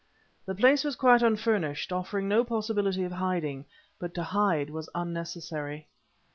The place was quite unfurnished, offering no possibility of hiding; but to hide was unnecessary.